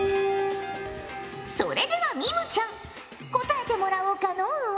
それではミムちゃん答えてもらおうかのう。